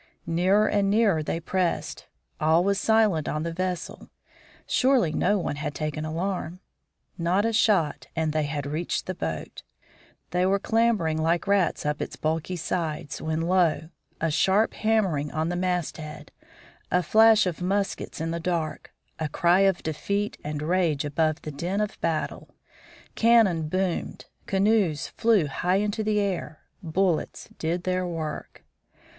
Nearer and nearer they pressed. All was silent on the vessel. Surely no one had taken alarm. Not a shot and they had reached the boat; they were clambering like rats up its bulky sides when lo! a sharp hammering on the mast head, a flash of muskets in the dark, a cry of defeat and rage above the din of battle! Cannon boomed; canoes flew high into the air; bullets did their work.